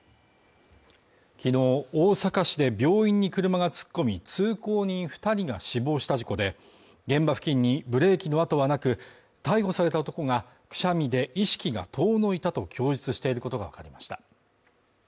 昨日大阪市で病院に車が突っ込み、通行人２人が死亡した事故で、現場付近にブレーキの痕はなく、逮捕された男が、くしゃみで意識が遠のいたと供述していることがわかりました。